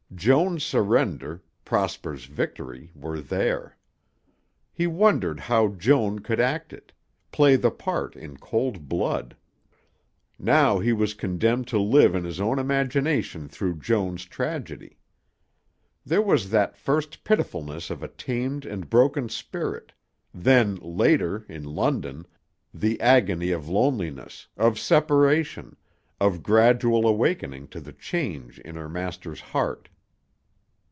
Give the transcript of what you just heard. Joan's surrender, Prosper's victory, were there. He wondered how Joan could act it, play the part in cold blood. Now he was condemned to live in his own imagination through Joan's tragedy. There was that first pitifulness of a tamed and broken spirit; then later, in London, the agony of loneliness, of separation, of gradual awakening to the change in her master's heart.